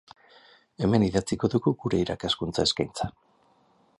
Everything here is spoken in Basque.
Hemen idatziko dugu gure irakaskuntza eskaintza.